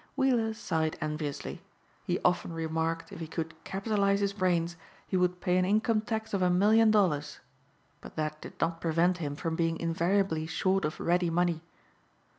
Weiller sighed enviously. He often remarked if he could capitalize his brains he would pay an income tax of a million dollars; but that did not prevent him from being invariably short of ready money.